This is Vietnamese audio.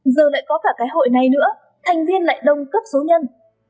giờ lại có cả cái hội này nữa thành viên lại đông cấp số nhân